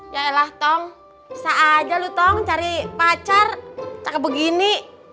ya elah tong sea aja lu tong cari pacar kayak begini